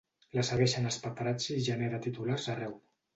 La segueixen els paparazzi i genera titulars arreu.